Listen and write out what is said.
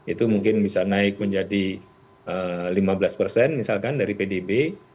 itu mungkin bisa naik menjadi lima belas persen misalkan dari pdb